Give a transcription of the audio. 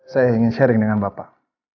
saya ingin sharing dengan bapak